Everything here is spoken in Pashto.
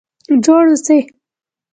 جوړ اوسئ؟